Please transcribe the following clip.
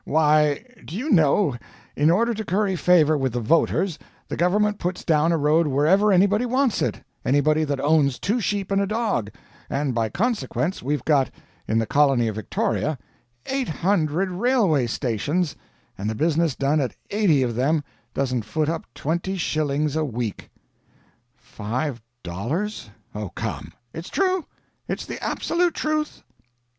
Why, do you know, in order to curry favor with the voters, the government puts down a road wherever anybody wants it anybody that owns two sheep and a dog; and by consequence we've got, in the colony of Victoria, 800 railway stations, and the business done at eighty of them doesn't foot up twenty shillings a week." "Five dollars? Oh, come!" "It's true. It's the absolute truth."